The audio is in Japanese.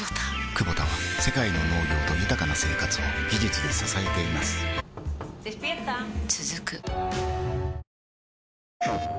クボタは世界の農業と豊かな生活を技術で支えています起きて。